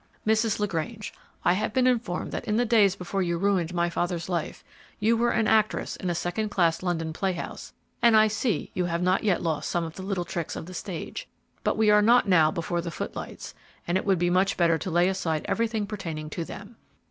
"Mrs. LaGrange, I have been informed that in the days before you ruined my father's life you were an actress in a second class London playhouse, and I see you have not yet lost some little tricks of the stage; but we are not now before the footlights, and it will be much better to lay aside everything pertaining to them.